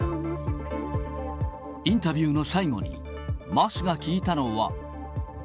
インタビューの最後に、桝が聞いたのは。